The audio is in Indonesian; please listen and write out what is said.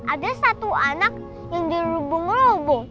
ada satu anak yang dirubung rubung